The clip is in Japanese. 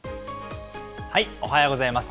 おはようございます。